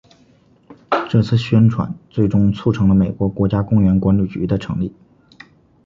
这次宣传最终促成了美国国家公园管理局的成立。